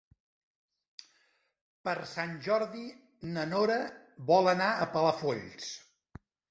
Per Sant Jordi na Nora vol anar a Palafolls.